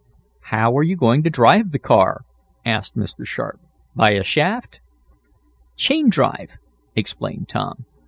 "How are you going to drive the car?" asked Mr. Sharp. "By a shaft?" "Chain drive," explained Tom.